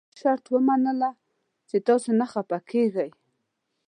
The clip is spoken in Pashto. هغه یې په دې شرط ومنله که تاسي نه خفه کېږئ.